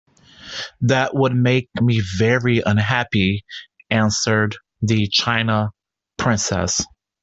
"That would make me very unhappy," answered the china princess.